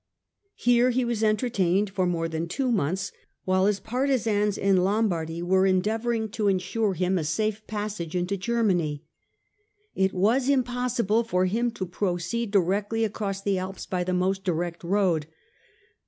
Here he was entertained for more than two months, while his partisans in Lombardy were endeavouring to THE ADVENTURE AND THE GOAL 41 ensure him a safe passage into Germany. It was im possible for him to proceed directly across the Alps by the most direct road.